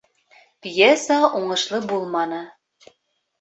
Пьеса уңышлы булманы